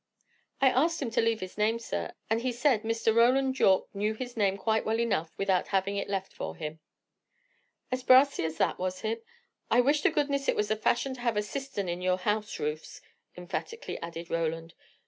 "I asked him to leave his name, sir, and he said Mr. Roland Yorke knew his name quite well enough, without having it left for him." "As brassy as that, was he! I wish to goodness it was the fashion to have a cistern in your house roofs!" emphatically added Roland.